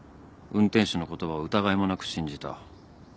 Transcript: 運転手の言葉を疑いもなく信じた。